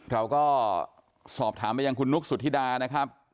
เราก็สอบถามไปยังคุณนุ๊กสุธิดานะครับ